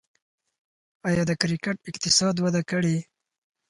آیا د کرکټ اقتصاد وده کړې؟